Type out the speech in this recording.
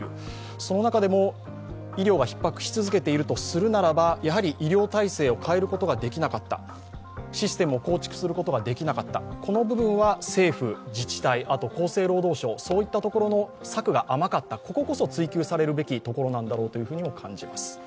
その中でも医療がひっ迫し続けているとするならば、やはり医療体制を変えることができなかった、システムを構築することができなかったこの部分は政府・自治体厚生労働省の策が甘かった、こここそ追及されるべきところだろうと感じます。